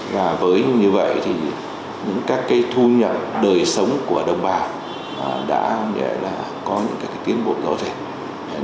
và với như vậy các thu nhận đời sống của đồng bào đã có những tiến bộ rõ ràng